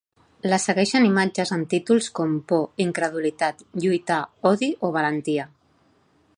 La segueixen imatges amb títols com ‘por’, ‘incredulitat’, ‘lluitar’, ‘odi’ o ‘valentia’.